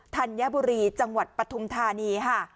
ธัญบุรีจังหวัดปฐุมธานีค่ะ